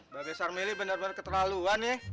babes armeli bener bener keterlaluan ya